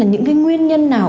những nguyên nhân nào